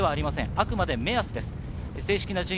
あくまで目安です。